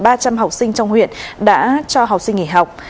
với tổng số hơn một mươi ba trăm linh học sinh trong huyện đã cho học sinh nghỉ học